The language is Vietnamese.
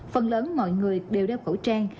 phần lớn mọi người đều đeo khẩu trang